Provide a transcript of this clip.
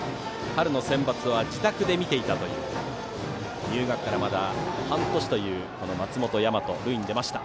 春のセンバツは自宅で見ていたという入学からまだ半年という松本大和が塁に出ました。